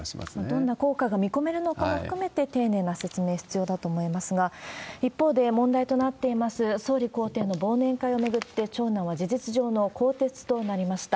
どんな効果が見込めるのかも含めて、丁寧な説明、必要だと思いますが、一方で、問題となっています、総理公邸の忘年会を巡って、長男は事実上の更迭となりました。